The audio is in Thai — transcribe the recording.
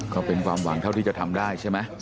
ก็เป็นความหวังเท่าที่จะทำได้ใช่ไหม